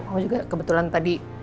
mama juga kebetulan tadi